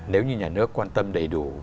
nếu như nhà nước quan tâm đầy đủ